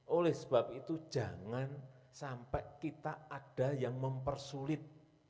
oleh sebab itu jangan sampai kita ada yang mempersulit